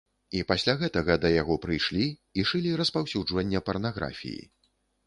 І пасля гэтага да яго прыйшлі і шылі распаўсюджванне парнаграфіі.